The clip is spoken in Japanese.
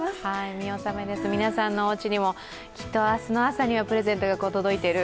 見納めです、皆さんのおうちにもきっと明日の朝にはプレゼントが届いている。